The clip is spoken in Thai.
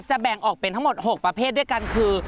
แบ่งออกเป็นทั้งหมด๖ประเภทด้วยกันคือ